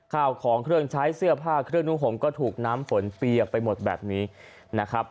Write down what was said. ข้าวของเครื่องใช้เสื้อผ้าเครื่องนุ่งห่มก็ถูกน้ำฝนเปียกไปหมดแบบนี้นะครับ